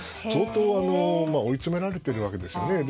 相当、追い詰められているわけですよね。